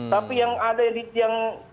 tapi yang ada yang